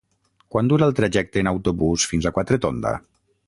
Quant dura el trajecte en autobús fins a Quatretonda?